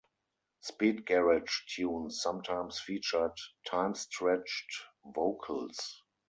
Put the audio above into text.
Speed garage tunes sometimes featured timestretched vocals.